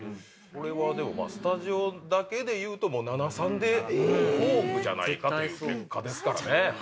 これはでもスタジオだけでいうと７：３でフォークじゃないかという結果ですからね。